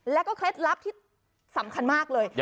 แล้วก็เคล็ดลับที่สำคัญมากเลย